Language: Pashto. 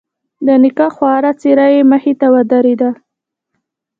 د نيکه خواره څېره يې مخې ته ودرېدله.